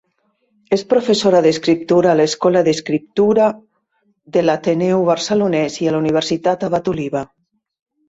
És professora d'escriptura a l'Escola d'escriptura de l'Ateneu Barcelonès i a la Universitat Abat Oliba.